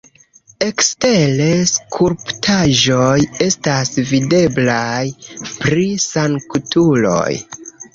Ekstere skulptaĵoj estas videblaj pri sanktuloj.